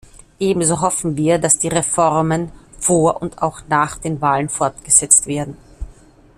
Ebenso hoffen wir, dass die Reformen vor und auch nach den Wahlen fortgesetzt werden.